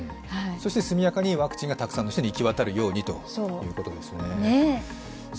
速やかにワクチンがたくさんの人に行き渡るようにということですね